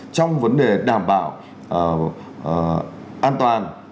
trong vấn đề đảm bảo an toàn